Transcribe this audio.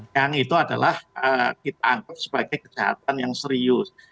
yang itu adalah kita anggap sebagai kejahatan yang serius